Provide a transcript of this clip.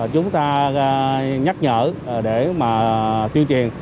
chúng ta nhắc nhở để mà tuyên truyền